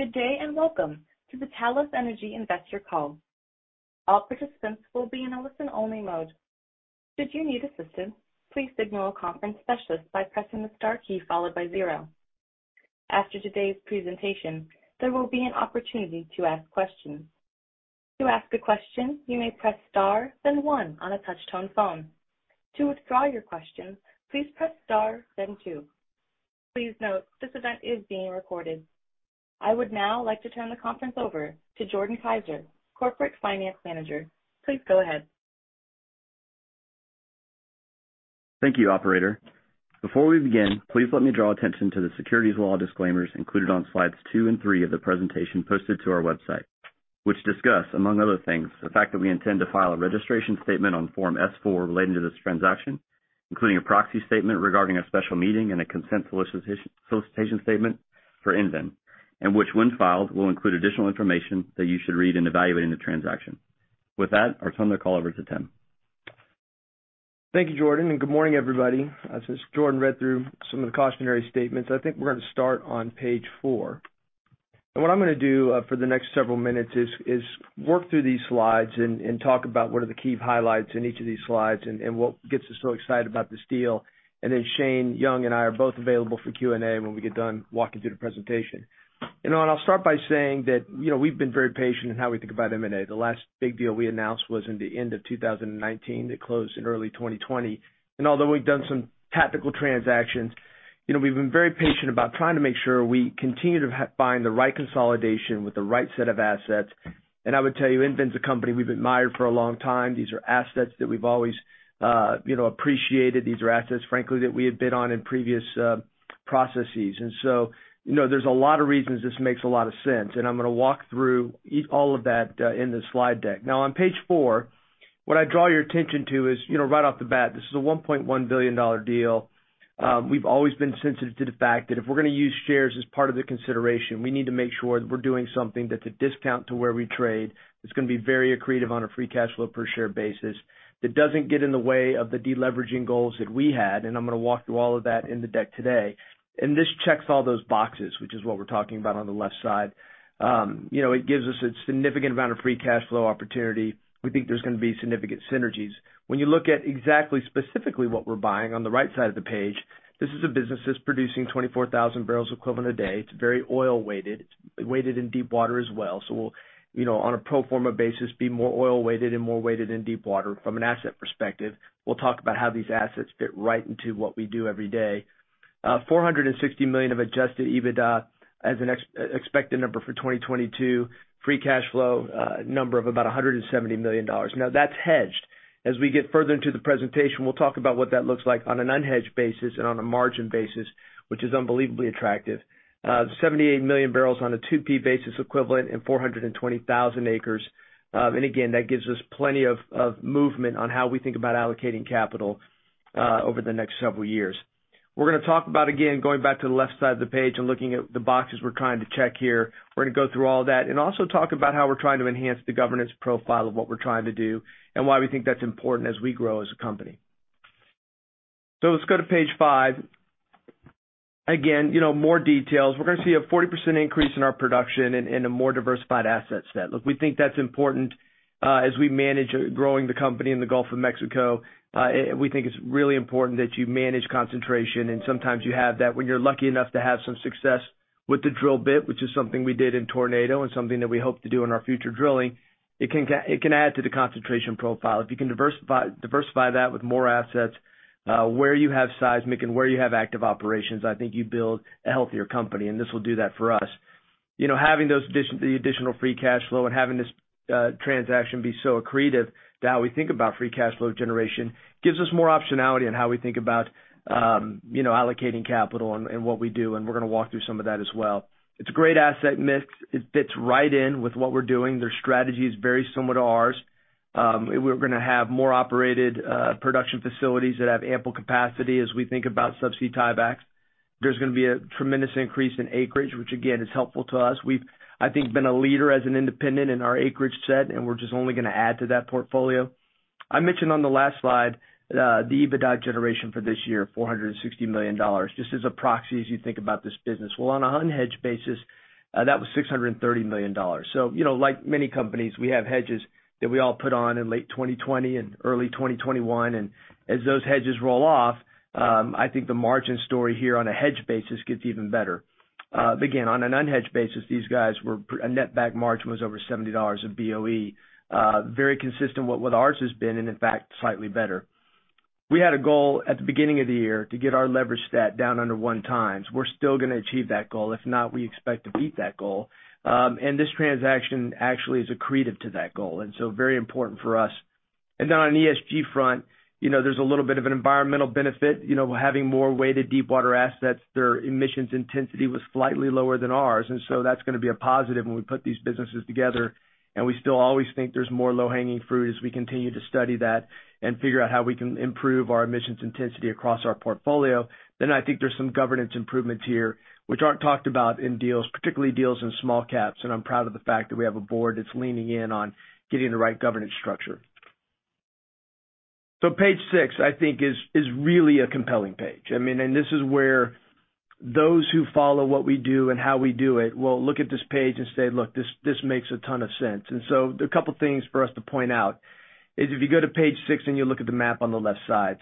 Good day, and welcome to the Talos Energy Investor Call. All participants will be in a listen-only mode. Should you need assistance, please signal a conference specialist by pressing the star key followed by zero. After today's presentation, there will be an opportunity to ask questions. To ask a question, you may press star, then one on a touch-tone phone. To withdraw your question, please press star then two. Please note, this event is being recorded. I would now like to turn the conference over to Jordan Kiser, Corporate Finance Manager. Please go ahead. Thank you, operator. Before we begin, please let me draw attention to the securities law disclaimers included on slides two and three of the presentation posted to our website, which discuss, among other things, the fact that we intend to file a registration statement on Form S-4 relating to this transaction, including a proxy statement regarding a special meeting and a consent solicitation statement for EnVen, and which when filed, will include additional information that you should read in evaluating the transaction. With that, I'll turn the call over to Tim. Thank you, Jordan, and good morning, everybody. As Jordan read through some of the cautionary statements, I think we're gonna start on page four. What I'm gonna do, for the next several minutes is work through these slides and talk about what are the key highlights in each of these slides and what gets us so excited about this deal. Then Shane Young and I are both available for Q&A when we get done walking through the presentation. You know, I'll start by saying that, you know, we've been very patient in how we think about M&A. The last big deal we announced was in the end of 2019. It closed in early 2020. Although we've done some tactical transactions, you know, we've been very patient about trying to make sure we continue to find the right consolidation with the right set of assets. I would tell you, EnVen's a company we've admired for a long time. These are assets that we've always, you know, appreciated. These are assets, frankly, that we have bid on in previous processes. You know, there's a lot of reasons this makes a lot of sense. I'm gonna walk through all of that in the slide deck. Now on page four, what I draw your attention to is, you know, right off the bat, this is a $1.1 billion deal. We've always been sensitive to the fact that if we're gonna use shares as part of the consideration, we need to make sure that we're doing something that's a discount to where we trade. It's gonna be very accretive on a free cash flow per share basis that doesn't get in the way of the deleveraging goals that we had. I'm gonna walk through all of that in the deck today. This checks all those boxes, which is what we're talking about on the left side. You know, it gives us a significant amount of free cash flow opportunity. We think there's gonna be significant synergies. When you look at exactly specifically what we're buying on the right side of the page, this is a business that's producing 24,000 BOE a day. It's very oil weighted. It's weighted in deepwater as well. We'll, you know, on a pro forma basis, be more oil weighted and more weighted in deepwater from an asset perspective. We'll talk about how these assets fit right into what we do every day. $460 million of adjusted EBITDA as an expected number for 2022. Free cash flow number of about $170 million. Now that's hedged. As we get further into the presentation, we'll talk about what that looks like on an unhedged basis and on a margin basis, which is unbelievably attractive. 78 million bbl on a 2P basis equivalent and 420,000 acres. Again, that gives us plenty of movement on how we think about allocating capital over the next several years. We're gonna talk about, again, going back to the left side of the page and looking at the boxes we're trying to check here. We're gonna go through all that and also talk about how we're trying to enhance the governance profile of what we're trying to do and why we think that's important as we grow as a company. Let's go to page five. Again, you know, more details. We're gonna see a 40% increase in our production and a more diversified asset set. Look, we think that's important as we manage growing the company in the Gulf of Mexico. We think it's really important that you manage concentration. Sometimes you have that. When you're lucky enough to have some success with the drill bit, which is something we did in Tornado and something that we hope to do in our future drilling, it can add to the concentration profile. If you can diversify that with more assets, where you have seismic and where you have active operations, I think you build a healthier company, and this will do that for us. You know, having the additional free cash flow and having this transaction be so accretive to how we think about free cash flow generation gives us more optionality in how we think about allocating capital and what we do, and we're gonna walk through some of that as well. It's a great asset mix. It fits right in with what we're doing. Their strategy is very similar to ours. We're gonna have more operated production facilities that have ample capacity as we think about subsea tiebacks. There's gonna be a tremendous increase in acreage, which again, is helpful to us. We've, I think, been a leader as an independent in our acreage set, and we're just only gonna add to that portfolio. I mentioned on the last slide, the EBITDA generation for this year, $460 million, just as a proxy as you think about this business. Well, on an unhedged basis, that was $630 million. You know, like many companies, we have hedges that we all put on in late 2020 and early 2021. As those hedges roll off, I think the margin story here on a hedged basis gets even better. Again, on an unhedged basis, a netback margin was over $70/BOE. Very consistent with what ours has been, and in fact, slightly better. We had a goal at the beginning of the year to get our leverage stat down under 1x. We're still gonna achieve that goal. If not, we expect to beat that goal. This transaction actually is accretive to that goal, so very important for us. Then on the ESG front, you know, there's a little bit of an environmental benefit. You know, having more weighted deepwater assets, their emissions intensity was slightly lower than ours, so that's gonna be a positive when we put these businesses together. We still always think there's more low-hanging fruit as we continue to study that and figure out how we can improve our emissions intensity across our portfolio. I think there's some governance improvements here which aren't talked about in deals, particularly deals in small caps. I'm proud of the fact that we have a board that's leaning in on getting the right governance structure. Page six, I think is really a compelling page. I mean, this is where those who follow what we do and how we do it will look at this page and say, "Look, this makes a ton of sense." There are a couple of things for us to point out is if you go to page six and you look at the map on the left side.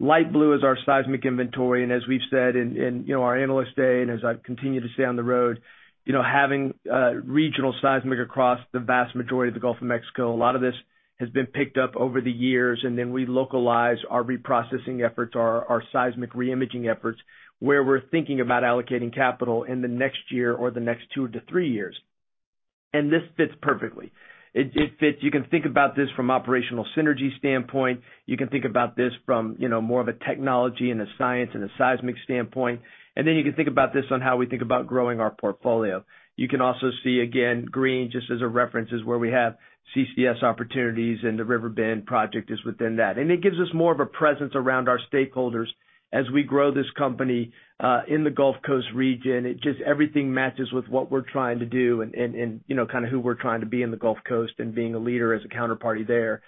Light blue is our seismic inventory. As we've said in you know, our Analyst Day, and as I've continued to say on the road, you know, having regional seismic across the vast majority of the Gulf of Mexico, a lot of this has been picked up over the years. Then we localize our reprocessing efforts, our seismic re-imaging efforts, where we're thinking about allocating capital in the next year or the next two to three years. This fits perfectly. It fits. You can think about this from operational synergy standpoint. You can think about this from, you know, more of a technology and a science and a seismic standpoint. Then you can think about this on how we think about growing our portfolio. You can also see, again, green, just as a reference, is where we have CCS opportunities, and the Riverbend project is within that. It gives us more of a presence around our stakeholders as we grow this company in the Gulf Coast region. It just everything matches with what we're trying to do and you know kind of who we're trying to be in the Gulf Coast and being a leader as a counterparty there.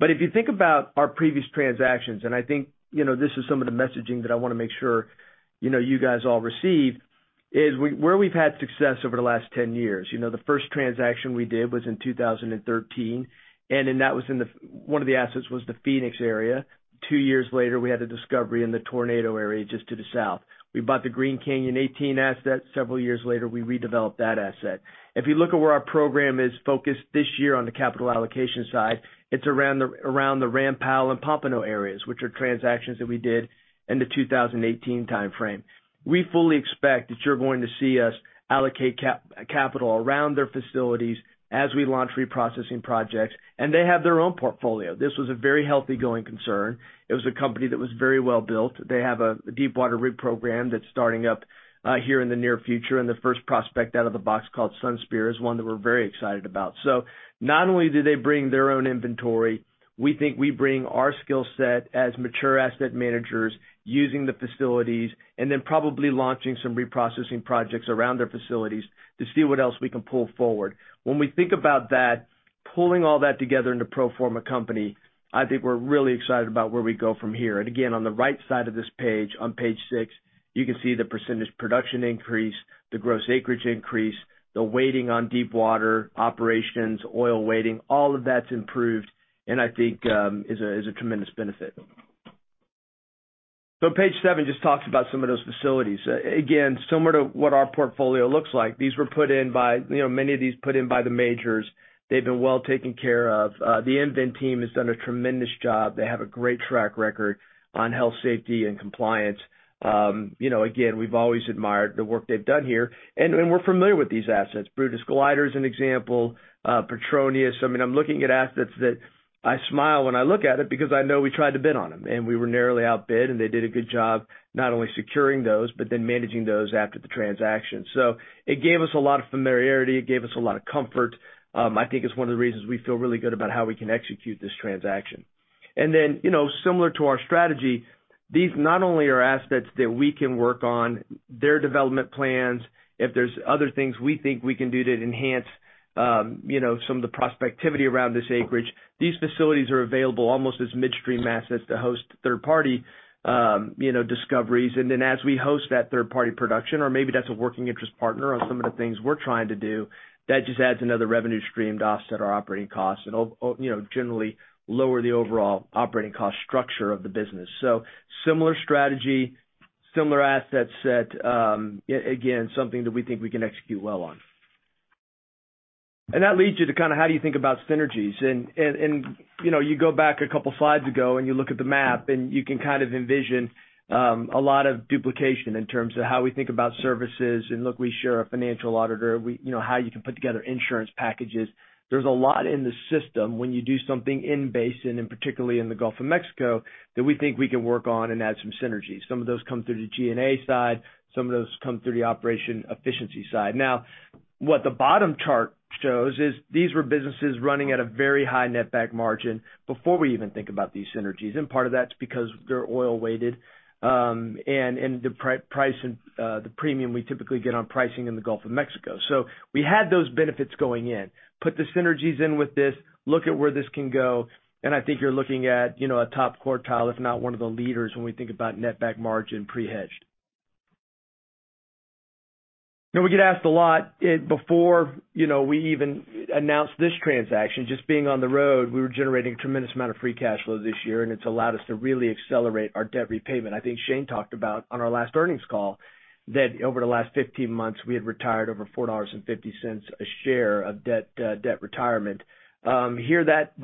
If you think about our previous transactions, and I think you know this is some of the messaging that I wanna make sure you know you guys all receive, is where we've had success over the last 10 years. You know the first transaction we did was in 2013, and then one of the assets was the Phoenix area. Two years later, we had a discovery in the Tornado area just to the south. We bought the Green Canyon 18 asset. Several years later, we redeveloped that asset. If you look at where our program is focused this year on the capital allocation side, it's around the Ram Powell and Pompano areas, which are transactions that we did in the 2018 timeframe. We fully expect that you're going to see us allocate capital around their facilities as we launch reprocessing projects, and they have their own portfolio. This was a very healthy going concern. It was a company that was very well-built. They have a deepwater rig program that's starting up here in the near future. The first prospect out of the box called Sunspear is one that we're very excited about. Not only do they bring their own inventory, we think we bring our skill set as mature asset managers using the facilities, and then probably launching some reprocessing projects around their facilities to see what else we can pull forward. When we think about that, pulling all that together in the pro forma company, I think we're really excited about where we go from here. Again, on the right side of this page, on page six, you can see the percentage production increase, the gross acreage increase, the weighting on deepwater operations, oil weighting, all of that's improved and I think is a tremendous benefit. Page seven just talks about some of those facilities. Again, similar to what our portfolio looks like, these were put in by, you know, many of these put in by the majors. They've been well taken care of. The EnVen team has done a tremendous job. They have a great track record on health, safety, and compliance. You know, again, we've always admired the work they've done here, and we're familiar with these assets. Brutus/Glider is an example, Petronius. I mean, I'm looking at assets that I smile when I look at it because I know we tried to bid on them and we were narrowly outbid, and they did a good job not only securing those, but then managing those after the transaction. It gave us a lot of familiarity, it gave us a lot of comfort. I think it's one of the reasons we feel really good about how we can execute this transaction. Then, you know, similar to our strategy, these not only are assets that we can work on their development plans, if there's other things we think we can do to enhance, you know, some of the prospectivity around this acreage, these facilities are available almost as midstream assets to host third-party, you know, discoveries. Then as we host that third-party production or maybe that's a working interest partner on some of the things we're trying to do, that just adds another revenue stream to offset our operating costs and will, you know, generally lower the overall operating cost structure of the business. Similar strategy, similar asset set, again, something that we think we can execute well on. That leads you to kinda how do you think about synergies. You know, you go back a couple slides ago and you look at the map and you can kind of envision a lot of duplication in terms of how we think about services. Look, we share a financial auditor. You know, how you can put together insurance packages. There's a lot in the system when you do something in basin, and particularly in the Gulf of Mexico, that we think we can work on and add some synergies. Some of those come through the G&A side, some of those come through the operational efficiency side. Now, what the bottom chart shows is these were businesses running at a very high netback margin before we even think about these synergies. Part of that's because they're oil-weighted, and the price and the premium we typically get on pricing in the Gulf of Mexico. We had those benefits going in. Put the synergies in with this, look at where this can go, and I think you're looking at, you know, a top quartile, if not one of the leaders when we think about netback margin pre-hedged. Now we get asked a lot, before, you know, we even announced this transaction, just being on the road, we were generating a tremendous amount of free cash flow this year, and it's allowed us to really accelerate our debt repayment. I think Shane talked about on our last earnings call that over the last 15 months, we had retired over $450 a share of debt retirement. Here, that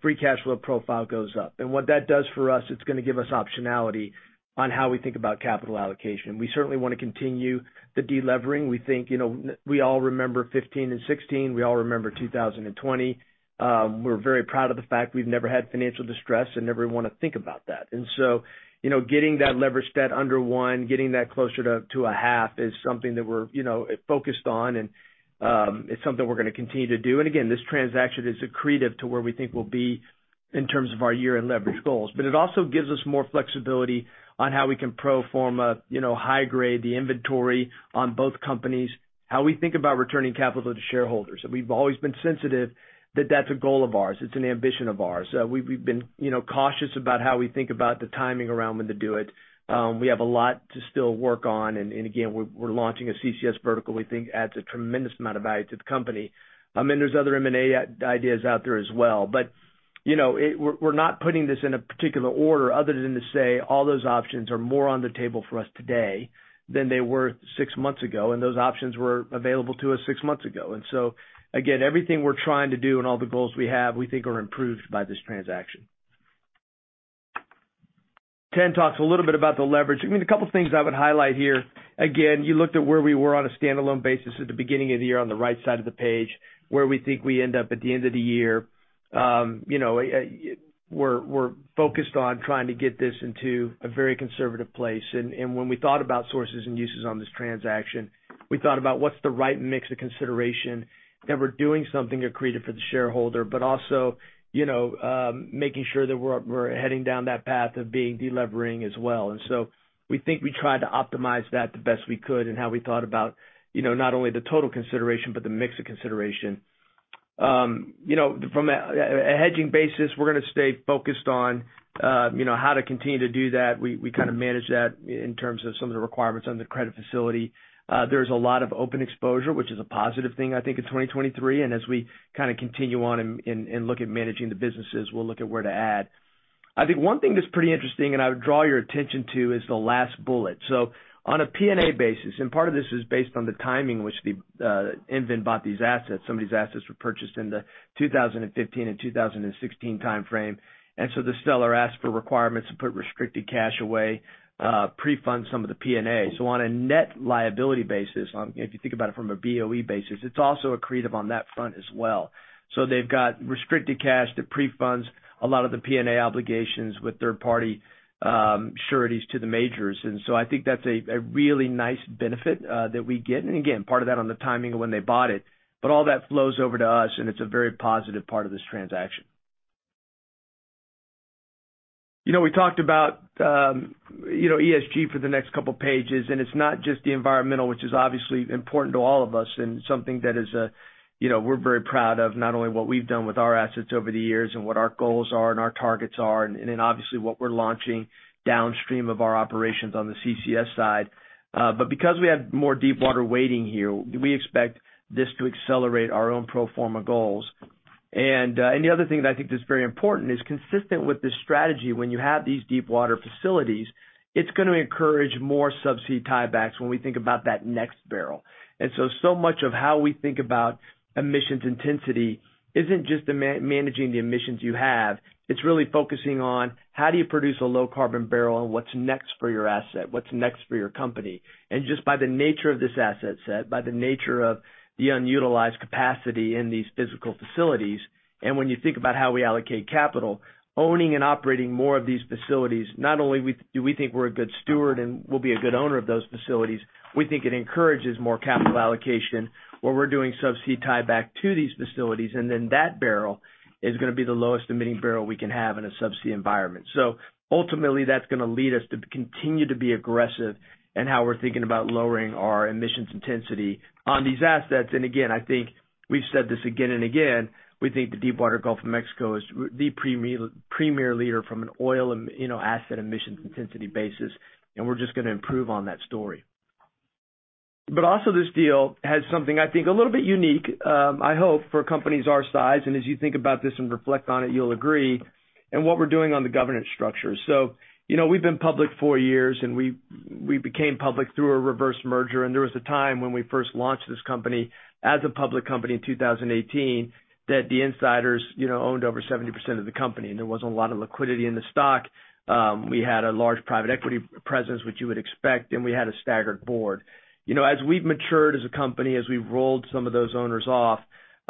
free cash flow profile goes up. What that does for us, it's gonna give us optionality on how we think about capital allocation. We certainly wanna continue the de-levering. We think, you know, we all remember 15 and 16, we all remember 2020. We're very proud of the fact we've never had financial distress and never wanna think about that. You know, getting that leverage debt under one, getting that closer to a half is something that we're, you know, focused on and, it's something we're gonna continue to do. Again, this transaction is accretive to where we think we'll be in terms of our year-end leverage goals. It also gives us more flexibility on how we can pro forma, you know, high grade the inventory on both companies, how we think about returning capital to shareholders. We've always been sensitive that that's a goal of ours. It's an ambition of ours. We've been, you know, cautious about how we think about the timing around when to do it. We have a lot to still work on. Again, we're launching a CCS vertical we think adds a tremendous amount of value to the company. I mean, there's other M&A ideas out there as well. You know, we're not putting this in a particular order other than to say all those options are more on the table for us today than they were six months ago, and those options were available to us six months ago. Again, everything we're trying to do and all the goals we have, we think are improved by this transaction. Tim talks a little bit about the leverage. I mean, a couple things I would highlight here. Again, you looked at where we were on a standalone basis at the beginning of the year on the right side of the page, where we think we end up at the end of the year. You know, we're focused on trying to get this into a very conservative place. When we thought about sources and uses on this transaction, we thought about what's the right mix of consideration that we're doing something accretive for the shareholder, but also, you know, making sure that we're heading down that path of being delevering as well. We think we tried to optimize that the best we could in how we thought about, you know, not only the total consideration, but the mix of consideration. You know, from a hedging basis, we're gonna stay focused on, you know, how to continue to do that. We kind of manage that in terms of some of the requirements on the credit facility. There's a lot of open exposure, which is a positive thing I think in 2023. As we kinda continue on and look at managing the businesses, we'll look at where to add. I think one thing that's pretty interesting, and I would draw your attention to, is the last bullet. So on a P&A basis, and part of this is based on the timing in which the EnVen bought these assets. Some of these assets were purchased in the 2015 and 2016 timeframe. The seller asked for requirements to put restricted cash away, pre-fund some of the P&A. On a net liability basis, if you think about it from a BOE basis, it's also accretive on that front as well. They've got restricted cash to pre-fund a lot of the P&A obligations with third-party sureties to the majors. I think that's a really nice benefit that we get. Again, part of that on the timing of when they bought it, but all that flows over to us, and it's a very positive part of this transaction. You know, we talked about you know, ESG for the next couple pages, and it's not just the environmental, which is obviously important to all of us and something that is you know, we're very proud of not only what we've done with our assets over the years and what our goals are and our targets are, and then obviously what we're launching downstream of our operations on the CCS side. But because we have more deepwater waiting here, we expect this to accelerate our own pro forma goals. The other thing that I think that's very important is consistent with the strategy when you have these deepwater facilities, it's gonna encourage more subsea tiebacks when we think about that next barrel. So much of how we think about emissions intensity isn't just managing the emissions you have, it's really focusing on how do you produce a low carbon barrel and what's next for your asset, what's next for your company? Just by the nature of this asset set, by the nature of the unutilized capacity in these physical facilities, and when you think about how we allocate capital, owning and operating more of these facilities, not only do we think we're a good steward and we'll be a good owner of those facilities, we think it encourages more capital allocation where we're doing subsea tieback to these facilities, and then that barrel is gonna be the lowest emitting barrel we can have in a subsea environment. Ultimately, that's gonna lead us to continue to be aggressive in how we're thinking about lowering our emissions intensity on these assets. Again, I think we've said this again and again, we think the Deepwater Gulf of Mexico is the premier leader from an oil, you know, asset emissions intensity basis, and we're just gonna improve on that story. Also this deal has something I think a little bit unique, I hope, for companies our size, and as you think about this and reflect on it, you'll agree, in what we're doing on the governance structure. You know, we've been public four years, and we became public through a reverse merger, and there was a time when we first launched this company as a public company in 2018, that the insiders, you know, owned over 70% of the company, and there wasn't a lot of liquidity in the stock. We had a large private equity presence, which you would expect, and we had a staggered board. You know, as we've matured as a company, as we've rolled some of those owners off,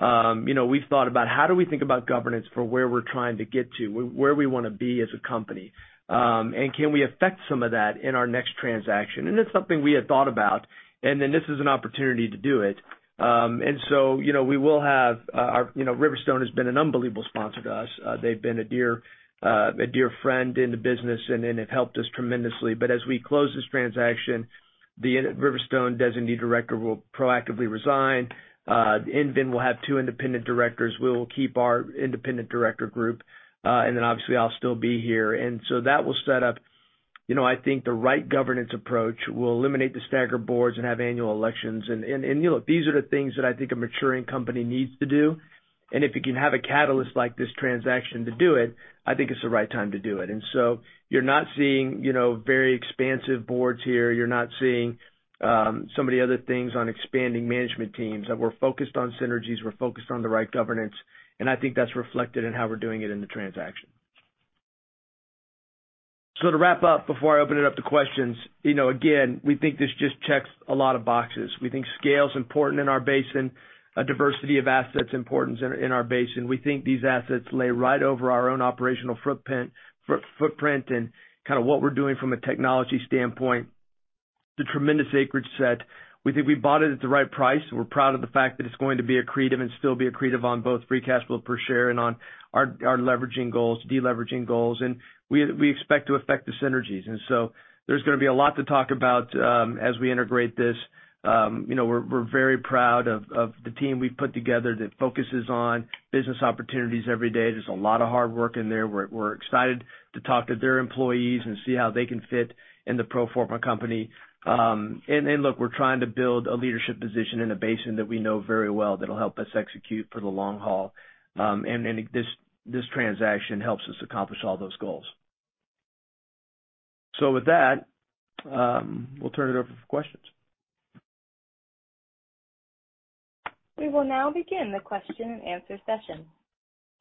you know, we've thought about how do we think about governance for where we're trying to get to, where we wanna be as a company? Can we affect some of that in our next transaction? It's something we had thought about, and then this is an opportunity to do it. You know, Riverstone has been an unbelievable sponsor to us. They've been a dear friend in the business and have helped us tremendously. As we close this transaction, the Riverstone designee director will proactively resign. EnVen will have two independent directors. We will keep our independent director group, and then obviously I'll still be here. That will set up, you know, I think the right governance approach. We'll eliminate the staggered boards and have annual elections. Look, these are the things that I think a maturing company needs to do. If you can have a catalyst like this transaction to do it, I think it's the right time to do it. You're not seeing, you know, very expansive boards here. You're not seeing some of the other things on expanding management teams, that we're focused on synergies, we're focused on the right governance, and I think that's reflected in how we're doing it in the transaction. To wrap up before I open it up to questions, you know, again, we think this just checks a lot of boxes. We think scale's important in our basin, a diversity of assets importance in our basin. We think these assets lay right over our own operational footprint and kinda what we're doing from a technology standpoint. The tremendous acreage set. We think we bought it at the right price. We're proud of the fact that it's going to be accretive and still be accretive on both free cash flow per share and on our leveraging goals, deleveraging goals. We expect to effect the synergies. There's gonna be a lot to talk about, as we integrate this. You know, we're very proud of the team we've put together that focuses on business opportunities every day. There's a lot of hard work in there. We're excited to talk to their employees and see how they can fit in the pro forma company. Look, we're trying to build a leadership position in a basin that we know very well that'll help us execute for the long haul. This transaction helps us accomplish all those goals. With that, we'll turn it over for questions. We will now begin the question and answer session.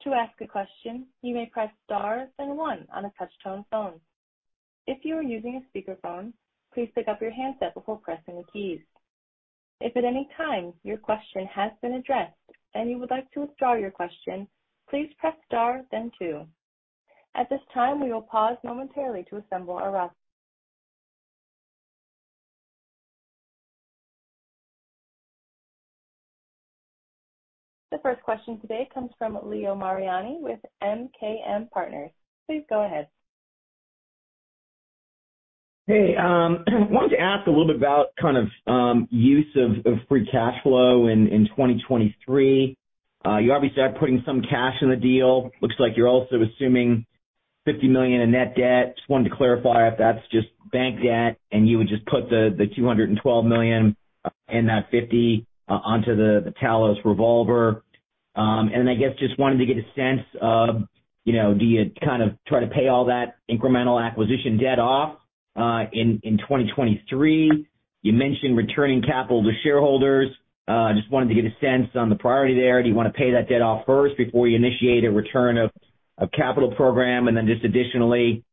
To ask a question, you may press Star then one on a touch-tone phone. If you are using a speakerphone, please pick up your handset before pressing the keys. If at any time your question has been addressed and you would like to withdraw your question, please press Star then two. At this time, we will pause momentarily. The first question today comes from Leo Mariani with MKM Partners. Please go ahead. Hey, wanted to ask a little bit about kind of use of free cash flow in 2023. You obviously are putting some cash in the deal. Looks like you're also assuming $50 million in net debt. Just wanted to clarify if that's just bank debt, and you would just put the $212 million and that $50 million onto the Talos revolver. I guess just wanted to get a sense of, you know, do you kind of try to pay all that incremental acquisition debt off in 2023? You mentioned returning capital to shareholders. Just wanted to get a sense on the priority there. Do you wanna pay that debt off first before you initiate a return of capital program? Just additionally,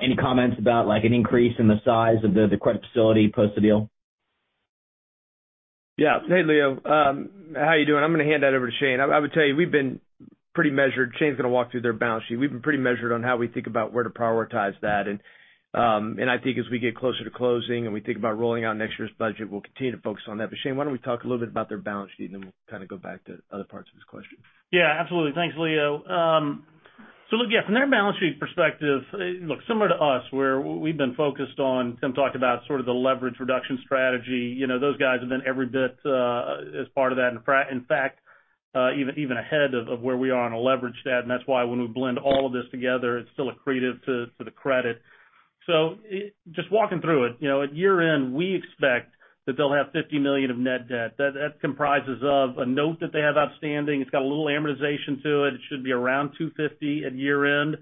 any comments about like an increase in the size of the credit facility post the deal? Yeah. Hey, Leo, how are you doing? I'm gonna hand that over to Shane. I would tell you, we've been pretty measured. Shane's gonna walk through their balance sheet. We've been pretty measured on how we think about where to prioritize that. I think as we get closer to closing and we think about rolling out next year's budget, we'll continue to focus on that. Shane, why don't we talk a little bit about their balance sheet, and then we'll kinda go back to other parts of this question. Yeah, absolutely. Thanks, Leo. Look, yeah, from their balance sheet perspective, look, similar to us, where we've been focused on, Tim talked about sort of the leverage reduction strategy. You know, those guys have been every bit as part of that. In fact, even ahead of where we are on a leverage to debt, and that's why when we blend all of this together, it's still accretive to the credit. Just walking through it, you know, at year-end, we expect that they'll have $50 million of net debt. That comprises of a note that they have outstanding. It's got a little amortization to it. It should be around $250 million at year-end,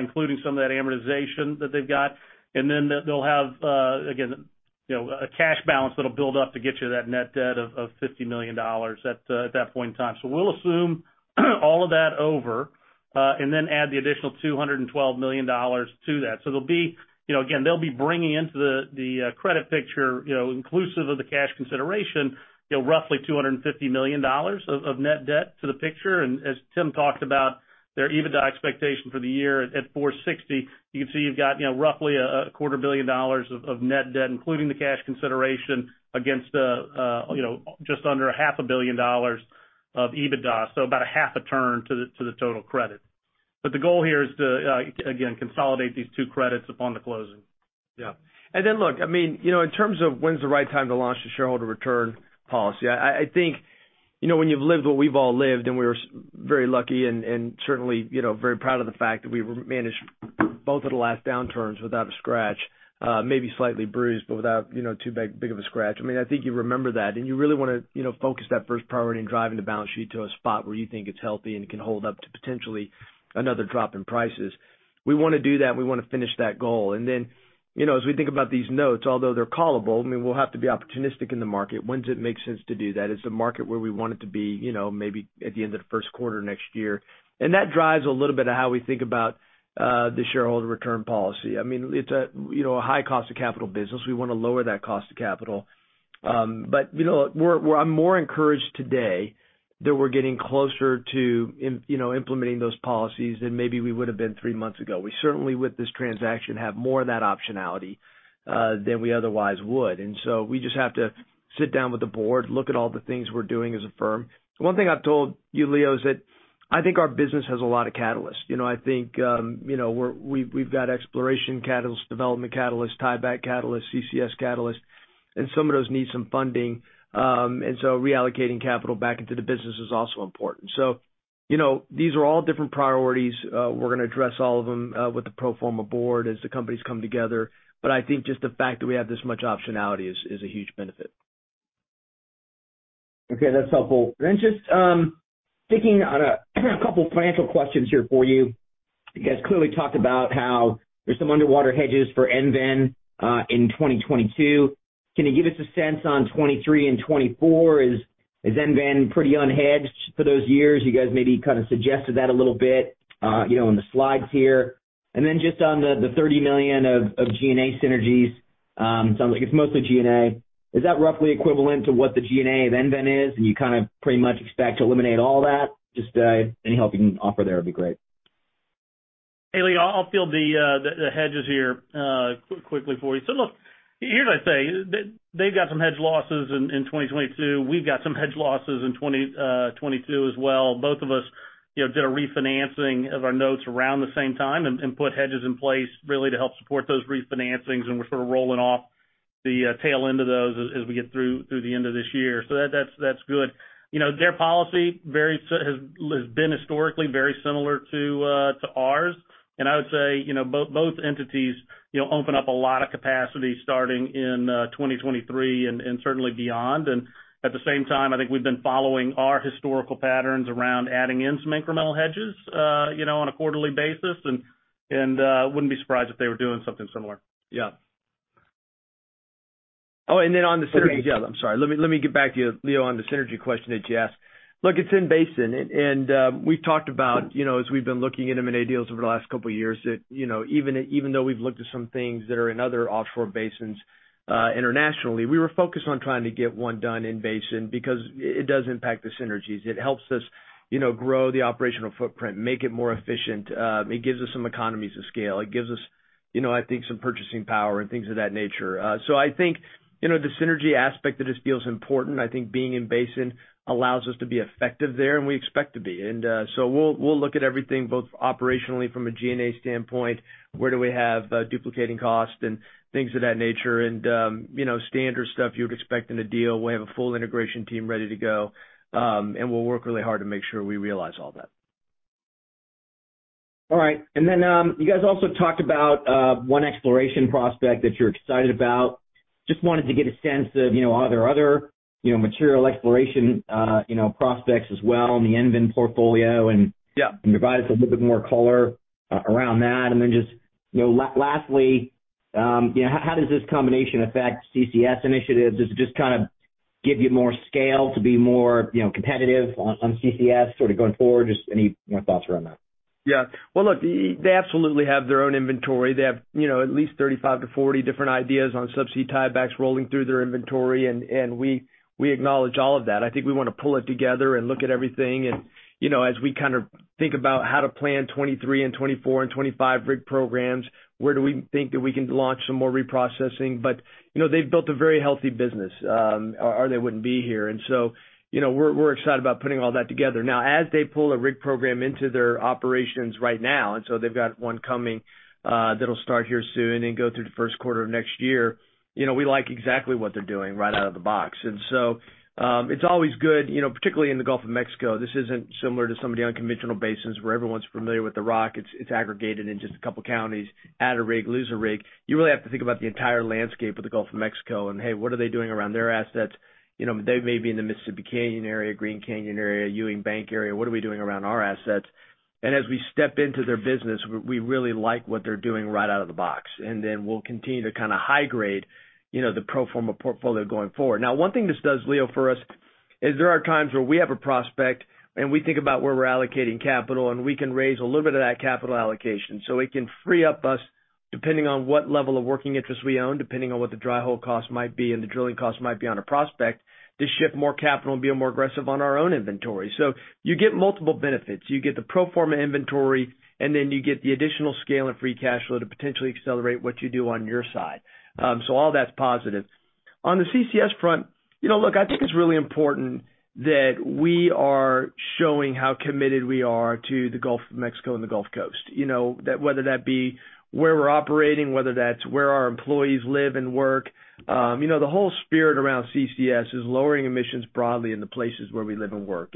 including some of that amortization that they've got. They'll have, again, you know, a cash balance that'll build up to get you that net debt of $50 million at that point in time. We'll assume all of that over and then add the additional $212 million to that. They'll be, you know, again, they'll be bringing into the credit picture, you know, inclusive of the cash consideration, you know, roughly $250 million of net debt to the picture. As Tim talked about, their EBITDA expectation for the year at $460 million. You can see you've got, you know, roughly a $250,000 billion of net debt, including the cash consideration against, you know, just under a $500,000 billion of EBITDA, so about a half a turn to the total credit. The goal here is to again consolidate these two credits upon the closing. Yeah. Look, I mean, you know, in terms of when's the right time to launch the shareholder return policy, I think, you know, when you've lived what we've all lived, and we're very lucky and certainly, you know, very proud of the fact that we've managed both of the last downturns without a scratch, maybe slightly bruised, but without, you know, too big of a scratch. I mean, I think you remember that, and you really wanna, you know, focus that first priority in driving the balance sheet to a spot where you think it's healthy and can hold up to potentially another drop in prices. We wanna do that. We wanna finish that goal. You know, as we think about these notes, although they're callable, I mean, we'll have to be opportunistic in the market. When does it make sense to do that? Is the market where we want it to be, you know, maybe at the end of the first quarter next year? That drives a little bit of how we think about the shareholder return policy. I mean, it's a, you know, a high cost of capital business. We wanna lower that cost of capital. But, you know, I'm more encouraged today that we're getting closer to implementing those policies than maybe we would have been three months ago. We certainly, with this transaction, have more of that optionality than we otherwise would. We just have to sit down with the board, look at all the things we're doing as a firm. One thing I've told you, Leo, is that I think our business has a lot of catalysts. You know, I think, you know, we've got exploration catalysts, development catalysts, tie-back catalysts, CCS catalysts, and some of those need some funding. Reallocating capital back into the business is also important. You know, these are all different priorities. We're gonna address all of them with the pro forma board as the companies come together. I think just the fact that we have this much optionality is a huge benefit. Okay, that's helpful. Just sticking on a couple financial questions here for you. You guys clearly talked about how there's some underwater hedges for EnVen in 2022. Can you give us a sense on 2023 and 2024? Is EnVen pretty unhedged for those years? You guys maybe kind of suggested that a little bit, you know, in the slides here. Just on the $30 million of G&A synergies, sounds like it's mostly G&A. Is that roughly equivalent to what the G&A of EnVen is, and you kinda pretty much expect to eliminate all that? Just any help you can offer there would be great. Hey, Leo, I'll field the hedges here quickly for you. Look, here's what I'd say. They've got some hedge losses in 2022. We've got some hedge losses in 2022 as well. Both of us, you know, did a refinancing of our notes around the same time and put hedges in place really to help support those refinancings. We're sort of rolling off the tail end of those as we get through the end of this year. That's good. You know, their policy has been historically very similar to ours. I would say, you know, both entities, you know, open up a lot of capacity starting in 2023 and certainly beyond. At the same time, I think we've been following our historical patterns around adding in some incremental hedges, you know, on a quarterly basis. Wouldn't be surprised if they were doing something similar. Yeah. Oh, on the synergy. Yeah, I'm sorry. Let me get back to you, Leo, on the synergy question that you asked. Look, it's in basin. We've talked about, you know, as we've been looking at M&A deals over the last couple of years, that, you know, even though we've looked at some things that are in other offshore basins internationally, we were focused on trying to get one done in basin because it does impact the synergies. It helps us, you know, grow the operational footprint, make it more efficient. It gives us some economies of scale. It gives us, you know, I think some purchasing power and things of that nature. So I think, you know, the synergy aspect of this deal is important. I think being in basin allows us to be effective there, and we expect to be. We'll look at everything both operationally from a G&A standpoint, where do we have duplicating costs and things of that nature. You know, standard stuff you would expect in a deal. We have a full integration team ready to go. We'll work really hard to make sure we realize all that. All right. You guys also talked about one exploration prospect that you're excited about. Just wanted to get a sense of, you know, are there other, you know, material exploration, you know, prospects as well in the EnVen portfolio? Yeah. Provide us a little bit more color around that. Just, you know, lastly, you know, how does this combination affect CCS initiatives? Does it just kind of give you more scale to be more, you know, competitive on CCS sort of going forward? Just any more thoughts around that. Yeah. Well, look, they absolutely have their own inventory. They have, you know, at least 35-40 different ideas on subsea tiebacks rolling through their inventory. We acknowledge all of that. I think we want to pull it together and look at everything. You know, as we kind of think about how to plan 2023 and 2024 and 2025 rig programs, where do we think that we can launch some more reprocessing? They've built a very healthy business, or they wouldn't be here. You know, we're excited about putting all that together. Now, as they pull a rig program into their operations right now, they've got one coming that'll start here soon and go through the first quarter of next year. You know, we like exactly what they're doing right out of the box. It's always good, you know, particularly in the Gulf of Mexico. This isn't similar to some of the unconventional basins where everyone's familiar with the rock. It's aggregated in just a couple counties. Add a rig, lose a rig. You really have to think about the entire landscape of the Gulf of Mexico and, hey, what are they doing around their assets? You know, they may be in the Mississippi Canyon area, Green Canyon area, Ewing Bank area. What are we doing around our assets? As we step into their business, we really like what they're doing right out of the box. Then we'll continue to kind of high grade, you know, the pro forma portfolio going forward. Now, one thing this does, Leo, for us is there are times where we have a prospect, and we think about where we're allocating capital, and we can raise a little bit of that capital allocation. So it can free up us, depending on what level of working interest we own, depending on what the dry hole cost might be and the drilling cost might be on a prospect, to shift more capital and be more aggressive on our own inventory. So you get multiple benefits. You get the pro forma inventory, and then you get the additional scale and free cash flow to potentially accelerate what you do on your side. So all that's positive. On the CCS front, you know, look, I think it's really important that we are showing how committed we are to the Gulf of Mexico and the Gulf Coast. You know, that whether that be where we're operating, whether that's where our employees live and work. You know, the whole spirit around CCS is lowering emissions broadly in the places where we live and work.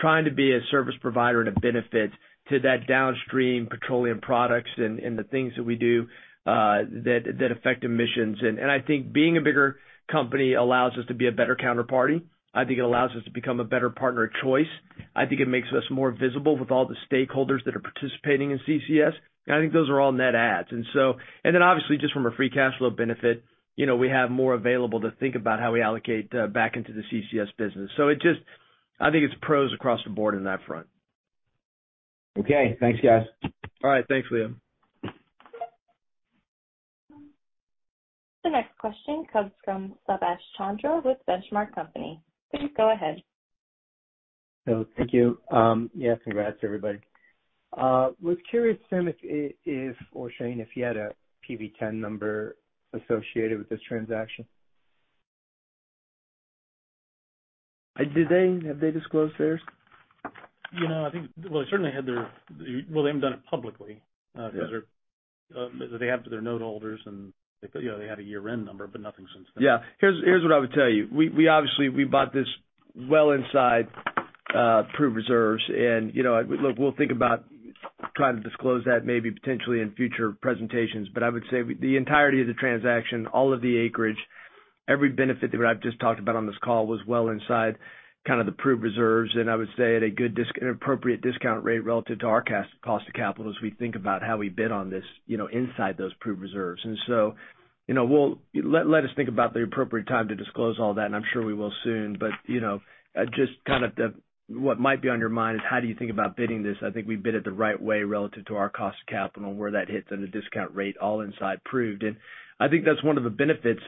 Trying to be a service provider and a benefit to that downstream petroleum products and the things that we do that affect emissions. I think being a bigger company allows us to be a better counterparty. I think it allows us to become a better partner of choice. I think it makes us more visible with all the stakeholders that are participating in CCS. I think those are all net adds. Then obviously just from a free cash flow benefit, you know, we have more available to think about how we allocate back into the CCS business. I think it's pros across the board in that front. Okay. Thanks, guys. All right. Thanks, Leo. The next question comes from Subash Chandra with The Benchmark Company. Please go ahead. Thank you. Yeah, congrats, everybody. Was curious, Tim, if or Shane, if you had a PV-10 number associated with this transaction. Did they? Have they disclosed theirs? Well, they haven't done it publicly, 'cause they're they have their note holders, and you know, they had a year-end number, but nothing since then. Yeah. Here's what I would tell you. We obviously bought this well inside proved reserves. You know, look, we'll think about trying to disclose that maybe potentially in future presentations. I would say the entirety of the transaction, all of the acreage, every benefit that I've just talked about on this call was well inside kind of the proved reserves. I would say at a good an appropriate discount rate relative to our cost of capital as we think about how we bid on this, you know, inside those proved reserves. You know, let us think about the appropriate time to disclose all that, and I'm sure we will soon. You know, just kind of what might be on your mind is how do you think about bidding this? I think we bid it the right way relative to our cost of capital and where that hits on the discount rate all inside proved. I think that's one of the benefits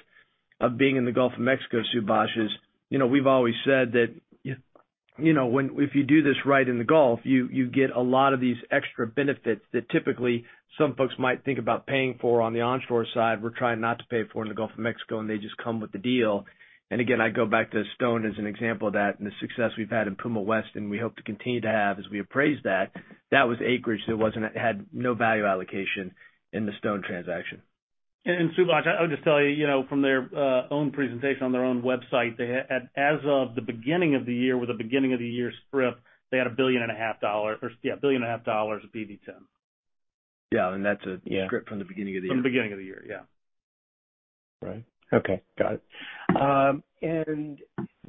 of being in the Gulf of Mexico, Subash, is, you know, we've always said that, you know, if you do this right in the Gulf, you get a lot of these extra benefits that typically some folks might think about paying for on the onshore side. We're trying not to pay for in the Gulf of Mexico, and they just come with the deal. I go back to Stone as an example of that and the success we've had in Puma West, and we hope to continue to have as we appraise that. That was acreage that it had no value allocation in the Stone transaction. Subash, I would just tell you know, from their own presentation on their own website, they had as of the beginning of the year, with the beginning of the year strip, they had $1.5 billion of PV-10. Yeah. That's a- Yeah. Strip from the beginning of the year. From the beginning of the year. Yeah. Right. Okay, got it.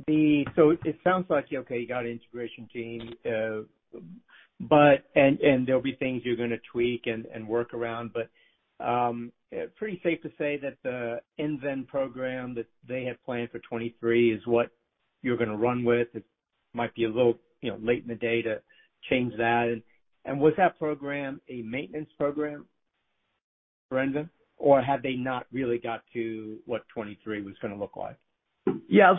It sounds like, okay, you got an integration team, but there'll be things you're gonna tweak and work around. Pretty safe to say that the EnVen program that they had planned for 2023 is what you're gonna run with. It might be a little, you know, late in the day to change that. Was that program a maintenance program, Brendan? Or had they not really got to what 2023 was gonna look like? Yeah.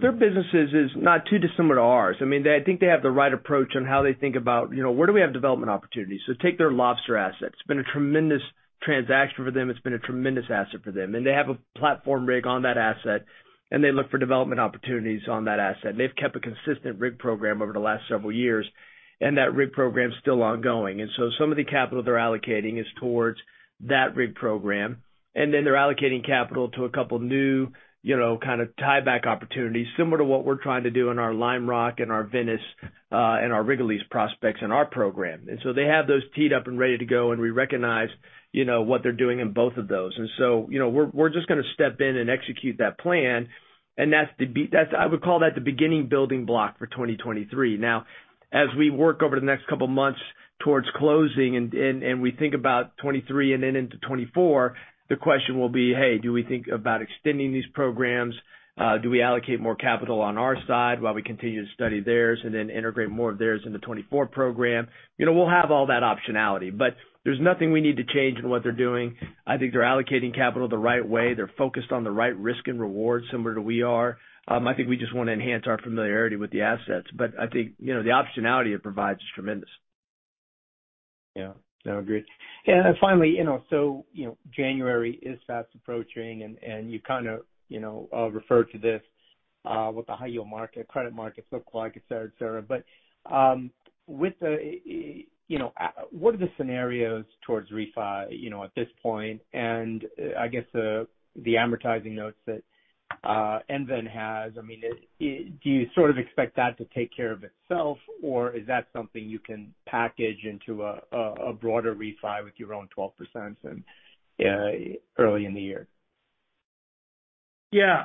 Their business is not too dissimilar to ours. I mean, I think they have the right approach on how they think about, you know, where do we have development opportunities. Take their Lobster asset. It's been a tremendous transaction for them. It's been a tremendous asset for them. And they have a platform rig on that asset, and they look for development opportunities on that asset. And they've kept a consistent rig program over the last several years, and that rig program is still ongoing. And so some of the capital they're allocating is towards that rig program. And then they're allocating capital to a couple new, you know, kind of tieback opportunities, similar to what we're trying to do in our Lime Rock and our Venice, and our Rigolets prospects in our program. They have those teed up and ready to go, and we recognize, you know, what they're doing in both of those. You know, we're just gonna step in and execute that plan. That's the beginning building block for 2023. Now, as we work over the next couple of months towards closing and we think about 2023 and then into 2024, the question will be, hey, do we think about extending these programs? Do we allocate more capital on our side while we continue to study theirs and then integrate more of theirs in the 2024 program? You know, we'll have all that optionality, but there's nothing we need to change in what they're doing. I think they're allocating capital the right way. They're focused on the right risk and reward similar to we are. I think we just want to enhance our familiarity with the assets, but I think, you know, the optionality it provides is tremendous. Yeah. No, agreed. Finally, you know, so, you know, January is fast approaching, and you kinda, you know, referred to this with the high yield market, credit market look like, et cetera, et cetera. With the, you know, what are the scenarios towards refi, you know, at this point? I guess, the amortizing notes that EnVen has, I mean, do you sort of expect that to take care of itself? Or is that something you can package into a broader refi with your own 12% and early in the year? Yeah.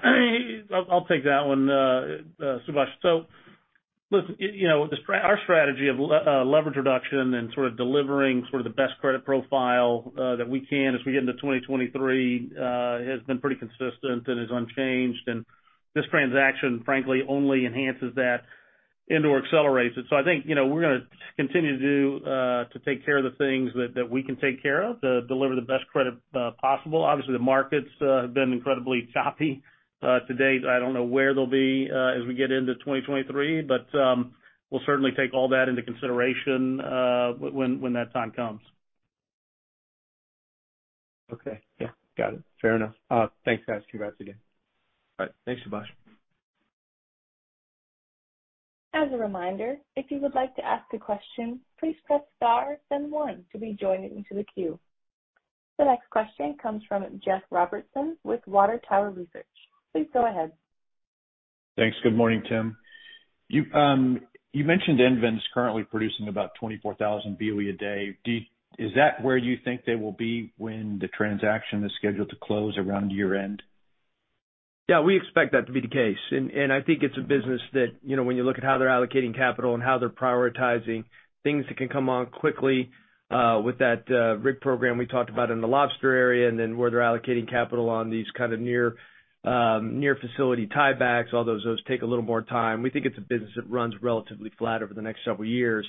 I'll take that one, Subash. Listen, you know, our strategy of leverage reduction and sort of delivering the best credit profile that we can as we get into 2023 has been pretty consistent and is unchanged. This transaction, frankly, only enhances that and/or accelerates it. I think, you know, we're gonna continue to take care of the things that we can take care of, to deliver the best credit possible. Obviously, the markets have been incredibly choppy to date. I don't know where they'll be as we get into 2023, but we'll certainly take all that into consideration when that time comes. Okay. Yeah. Got it. Fair enough. Thanks, guys. Congrats again. All right. Thanks, Subash. As a reminder, if you would like to ask a question, please press star then one to be joined into the queue. The next question comes from Jeff Robertson with Water Tower Research. Please go ahead. Thanks. Good morning, Tim. You mentioned EnVen is currently producing about 24,000 BOE a day. Is that where you think they will be when the transaction is scheduled to close around year-end? Yeah, we expect that to be the case. I think it's a business that, you know, when you look at how they're allocating capital and how they're prioritizing things that can come on quickly, with that rig program we talked about in the Lobster area, and then where they're allocating capital on these kind of near facility tiebacks, although those take a little more time. We think it's a business that runs relatively flat over the next several years.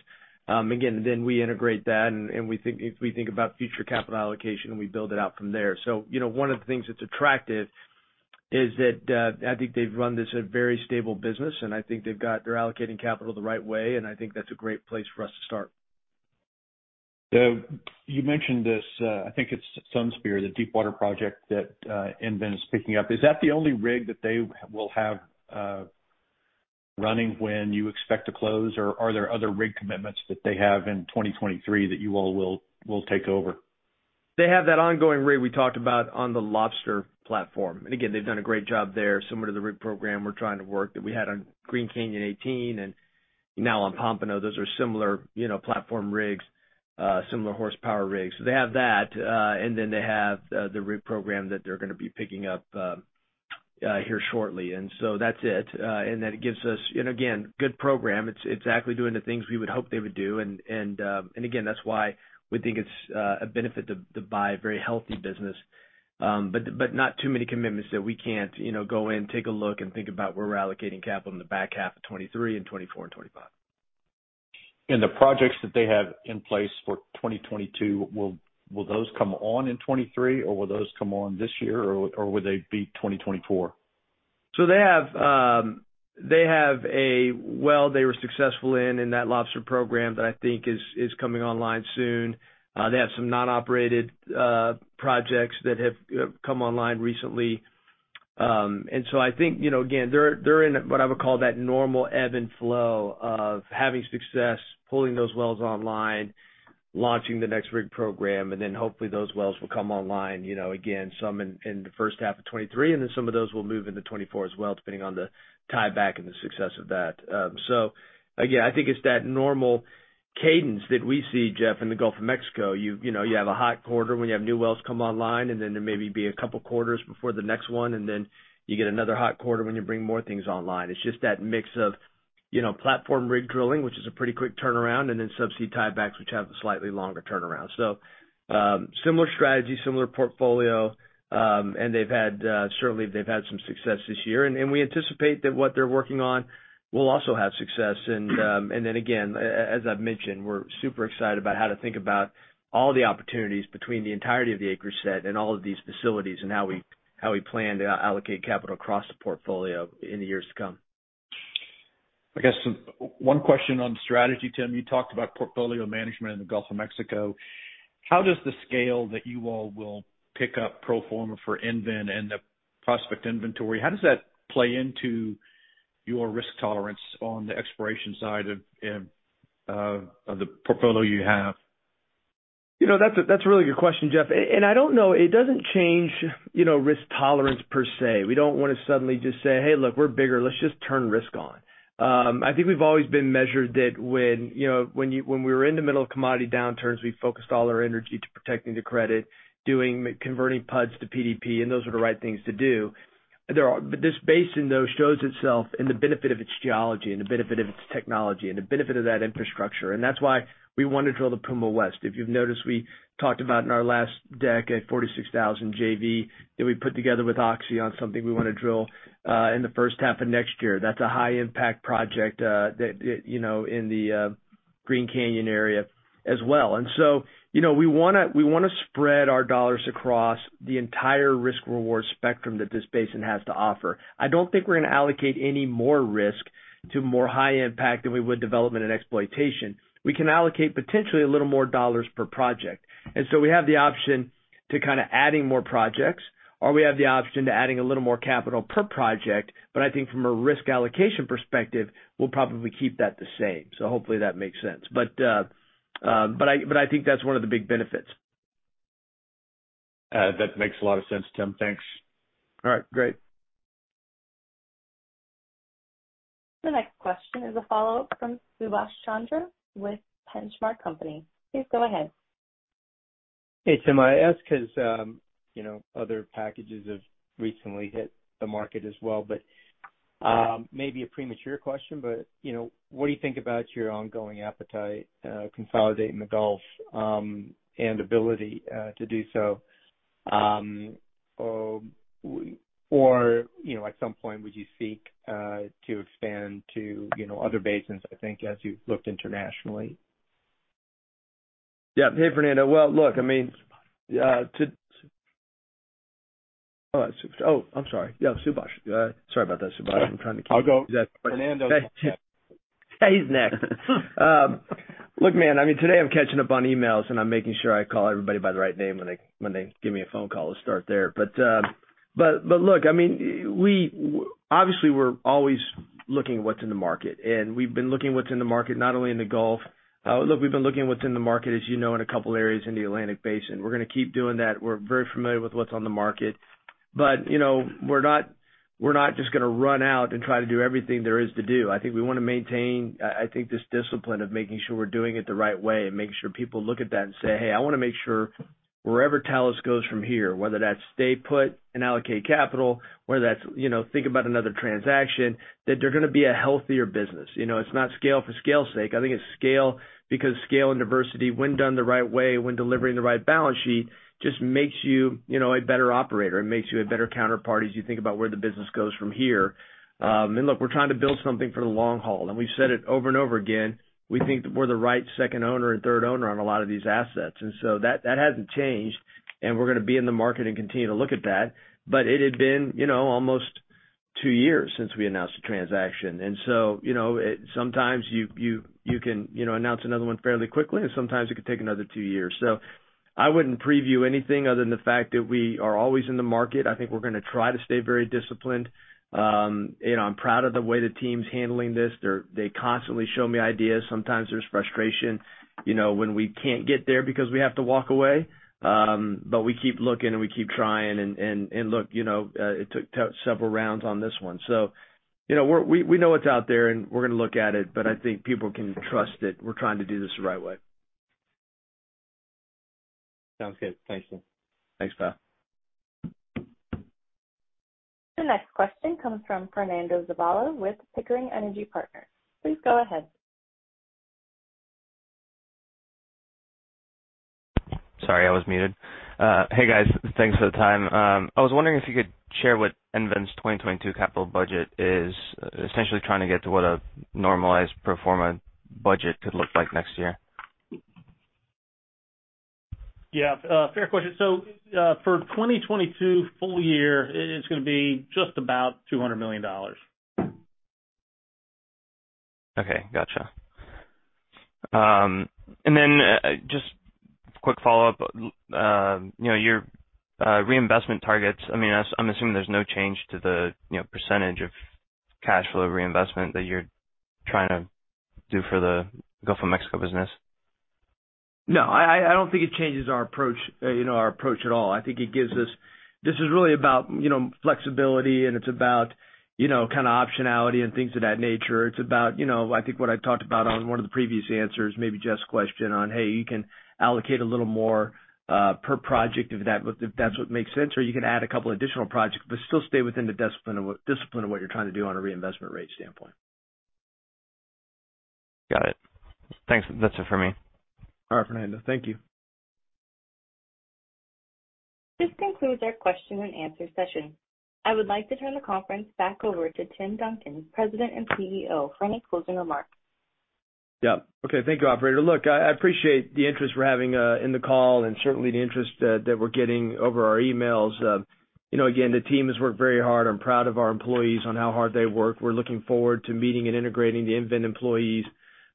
Again, we integrate that and if we think about future capital allocation, and we build it out from there. you know, one of the things that's attractive is that, I think they've run this at a very stable business, and I think they're allocating capital the right way, and I think that's a great place for us to start. You mentioned this, I think it's Sunspear, the deepwater project that EnVen is picking up. Is that the only rig that they will have running when you expect to close? Or are there other rig commitments that they have in 2023 that you all will take over? They have that ongoing rig we talked about on the Lobster platform. Again, they've done a great job there, similar to the rig program we're trying to work that we had on Green Canyon 18 and now on Pompano. Those are similar, you know, platform rigs, similar horsepower rigs. They have that, and then they have the rig program that they're gonna be picking up here shortly. That's it. That gives us, again, good program. It's exactly doing the things we would hope they would do. Again, that's why we think it's a benefit to buy a very healthy business. But not too many commitments that we can't, you know, go in, take a look, and think about where we're allocating capital in the back half of 2023 and 2024 and 2025. In the projects that they have in place for 2022, will those come on in 2023 or will those come on this year or would they be 2024? They have a well they were successful in that Lobster program that I think is coming online soon. They have some non-operated projects that have come online recently. I think, you know, again, they're in what I would call that normal Ebb and Flow of having success, pulling those wells online, launching the next rig program, and then hopefully those wells will come online, you know, again, some in the first half of 2023, and then some of those will move into 2024 as well, depending on the tieback and the success of that. I think it's that normal cadence that we see, Jeff, in the Gulf of Mexico. You know, you have a hot quarter when you have new wells come online, and then there may be a couple quarters before the next one, and then you get another hot quarter when you bring more things online. It's just that mix of, you know, platform rig drilling, which is a pretty quick turnaround, and then subsea tiebacks, which have a slightly longer turnaround. Similar strategy, similar portfolio, and certainly they've had some success this year. We anticipate that what they're working on will also have success. As I've mentioned, we're super excited about how to think about all the opportunities between the entirety of the acreage set and all of these facilities and how we plan to allocate capital across the portfolio in the years to come. I guess one question on strategy, Tim. You talked about portfolio management in the Gulf of Mexico. How does the scale that you all will pick up pro forma for EnVen and the prospect inventory, how does that play into your risk tolerance on the exploration side of the portfolio you have? You know, that's a really good question, Jeff. I don't know. It doesn't change, you know, risk tolerance per se. We don't wanna suddenly just say, "Hey, look, we're bigger. Let's just turn risk on." I think we've always been measured that when, you know, when we were in the middle of commodity downturns, we focused all our energy to protecting the credit, converting PUDs to PDP, and those were the right things to do. This basin, though, shows itself in the benefit of its geology and the benefit of its technology and the benefit of that infrastructure. That's why we want to drill the Puma West. If you've noticed, we talked about in our last deck, a 46,000 JV that we put together with Oxy on something we wanna drill in the first half of next year. That's a high impact project that you know in the Green Canyon area as well. You know, we wanna spread our dollars across the entire risk-reward spectrum that this basin has to offer. I don't think we're gonna allocate any more risk to more high impact than we would development and exploitation. We can allocate potentially a little more dollars per project. We have the option to kinda adding more projects, or we have the option to adding a little more capital per project. I think from a risk allocation perspective, we'll probably keep that the same. Hopefully that makes sense. I think that's one of the big benefits. That makes a lot of sense, Tim. Thanks. All right. Great. The next question is a follow-up from Subash Chandra with The Benchmark Company. Please go ahead. Hey, Tim. I ask 'cause you know, other packages have recently hit the market as well. Maybe a premature question, but you know, what do you think about your ongoing appetite consolidating the Gulf and ability to do so? You know, at some point, would you seek to expand to you know, other basins, I think, as you've looked internationally? Yeah. Hey, Fernando. Well, look, I mean. I'm sorry. Yeah, Subash. Sorry about that, Subash. I'm trying to keep- I'll go Fernando next. Yeah, he's next. Look, man, I mean, today I'm catching up on emails, and I'm making sure I call everybody by the right name when they give me a phone call to start there. Look, I mean, obviously, we're always looking at what's in the market, and we've been looking at what's in the market, not only in the Gulf. Look, we've been looking at what's in the market, as you know, in a couple areas in the Atlantic Basin. We're gonna keep doing that. We're very familiar with what's on the market. You know, we're not just gonna run out and try to do everything there is to do. I think we wanna maintain, I think this discipline of making sure we're doing it the right way and making sure people look at that and say, "Hey, I wanna make sure wherever Talos goes from here, whether that's stay put and allocate capital, whether that's, you know, think about another transaction, that they're gonna be a healthier business." You know, it's not scale for scale's sake. I think it's scale because scale and diversity, when done the right way, when delivering the right balance sheet, just makes you know, a better operator and makes you a better counterparty as you think about where the business goes from here. Look, we're trying to build something for the long haul. We've said it over and over again, we think that we're the right second owner and third owner on a lot of these assets. That hasn't changed, and we're gonna be in the market and continue to look at that. It had been, you know, almost two years since we announced the transaction. You know, sometimes you can, you know, announce another one fairly quickly, and sometimes it could take another two years. I wouldn't preview anything other than the fact that we are always in the market. I think we're gonna try to stay very disciplined. You know, I'm proud of the way the team's handling this. They constantly show me ideas. Sometimes there's frustration, you know, when we can't get there because we have to walk away. We keep looking, and we keep trying. Look, you know, it took several rounds on this one. You know, we know it's out there, and we're gonna look at it, but I think people can trust that we're trying to do this the right way. Sounds good. Thanks, Tim. Thanks, pal. The next question comes from Fernando Zavala with Pickering Energy Partners. Please go ahead. Sorry, I was muted. Hey guys, thanks for the time. I was wondering if you could share what EnVen's 2022 capital budget is essentially trying to get to, what a normalized pro forma budget could look like next year. Yeah, fair question. For 2022 full year, it is gonna be just about $200 million. Okay, gotcha. Just quick follow-up. You know, your reinvestment targets, I mean, I'm assuming there's no change to the, you know, percentage of cash flow reinvestment that you're trying to do for the Gulf of Mexico business. No, I don't think it changes our approach, you know, our approach at all. I think it gives us. This is really about, you know, flexibility, and it's about, you know, kinda optionality and things of that nature. It's about, you know, I think what I've talked about on one of the previous answers, maybe Jeff's question on, hey, you can allocate a little more per project if that's what makes sense. Or you can add a couple additional projects, but still stay within the discipline of what you're trying to do on a reinvestment rate standpoint. Got it. Thanks. That's it for me. All right, Fernando. Thank you. This concludes our question and answer session. I would like to turn the conference back over to Tim Duncan, President and CEO, for any closing remarks. Yeah. Okay. Thank you, operator. Look, I appreciate the interest we're having in the call and certainly the interest that we're getting over our emails. You know, again, the team has worked very hard. I'm proud of our employees on how hard they work. We're looking forward to meeting and integrating the EnVen employees.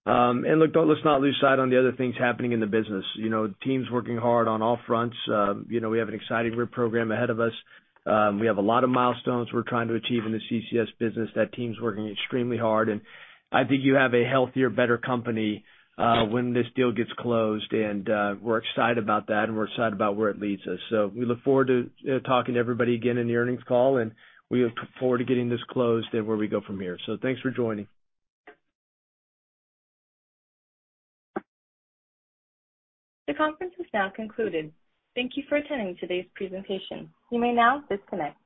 Look, let's not lose sight of the other things happening in the business. You know, the team's working hard on all fronts. You know, we have an exciting rig program ahead of us. We have a lot of milestones we're trying to achieve in the CCS business. That team's working extremely hard, and I think we'll have a healthier, better company when this deal gets closed. We're excited about that, and we're excited about where it leads us. We look forward to talking to everybody again in the earnings call, and we look forward to getting this closed and where we go from here. Thanks for joining. The conference is now concluded. Thank you for attending today's presentation. You may now disconnect.